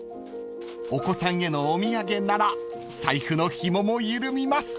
［お子さんへのお土産なら財布のひもも緩みます］